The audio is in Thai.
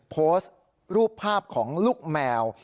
โพสต์รูปภาพของลูกแมว